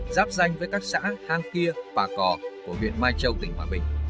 giáp danh với các xã hang kia bà cò của huyện mai châu tỉnh hòa bình